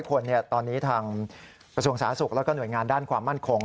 ๑๐๐คนตอนนี้ทางประสุนสาธารณ์สุขและหน่วยงานด้านความมั่นคง